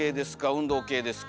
運動系ですか？